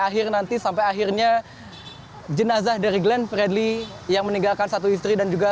akhir nanti sampai akhirnya jenazah dari glenn fredly yang meninggalkan satu istri dan juga